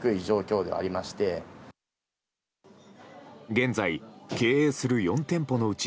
現在、経営する４店舗のうち